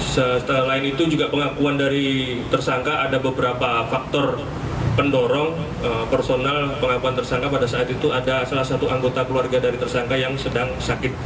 selain itu juga pengakuan dari tersangka ada beberapa faktor pendorong personal pengakuan tersangka pada saat itu ada salah satu anggota keluarga dari tersangka yang sedang sakit